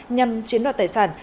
nhằm chiến đoạt tài sản